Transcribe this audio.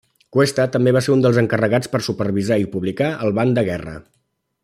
Cuesta també va ser un dels encarregats de supervisar i publicar el ban de guerra.